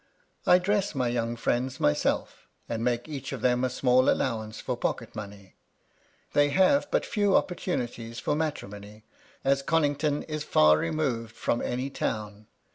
I dress my * young friends myself, and make each of them a small 'allowance for pocket money. They have but few * opportunities for matrimony, as Connington is far re ' moved from any town.